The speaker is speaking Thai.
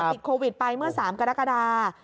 ติดโควิดไปเมื่อ๓กรกฎา